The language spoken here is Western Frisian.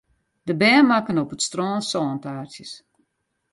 De bern makken op it strân sântaartsjes.